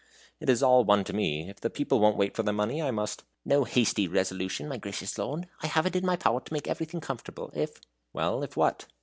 "It is all one to me. If the people won't wait for their money, I must " "No hasty resolution, my gracious Lord! I have it in my power to make everything comfortable, if " "Well, if what?"